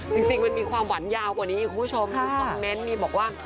จริงมันมีความหวานยาวกว่านี้คุณผู้ชมมีคอมเมนต์มีบอกว่า